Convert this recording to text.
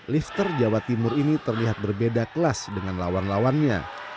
lifter jawa timur ini terlihat berbeda kelas dengan lawan lawannya